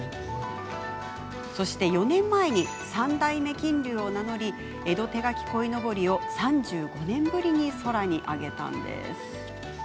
そして４年前３代目金龍を名乗り江戸手描き鯉のぼりを３５年ぶりに空にあげたのです。